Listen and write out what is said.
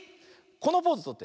このポーズとって。